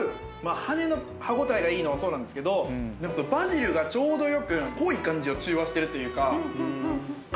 羽根の歯応えがいいのはそうなんですけどバジルがちょうどよく濃い感じを中和してるというか。